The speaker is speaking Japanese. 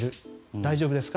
大丈夫ですか？